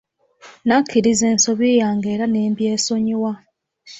Nakkiriza ensobi yange era ne mbyesonyiwa.